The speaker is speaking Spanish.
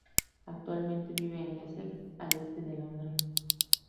Actualmente vive en Essex al este de Londres.